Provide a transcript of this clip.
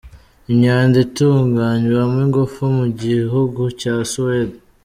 Imyanda itunganywamo ingufu mu gihugu cya Suwede.